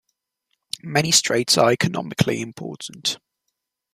Many straits are economically important.